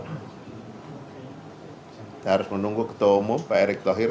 kita harus menunggu ketua umum pak erik wahir